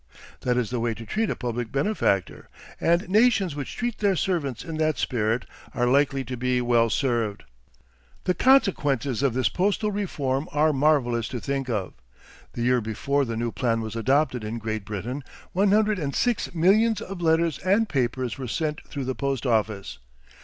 That is the way to treat a public benefactor; and nations which treat their servants in that spirit are likely to be well served. The consequences of this postal reform are marvelous to think of. The year before the new plan was adopted in Great Britain, one hundred and six millions of letters and papers were sent through the post office.